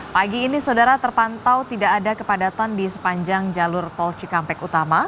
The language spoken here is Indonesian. pagi ini saudara terpantau tidak ada kepadatan di sepanjang jalur tol cikampek utama